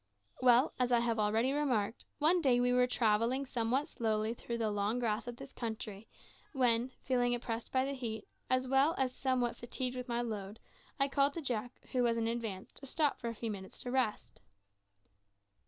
Well, as I have already remarked, one day we were travelling somewhat slowly through the long grass of this country, when, feeling oppressed by the heat, as well as somewhat fatigued with my load, I called to Jack, who was in advance, to stop for a few minutes to rest.